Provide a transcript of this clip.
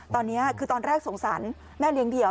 ตอนนี้คือตอนแรกสงสารแม่เลี้ยงเดี่ยว